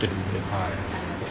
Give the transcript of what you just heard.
はい。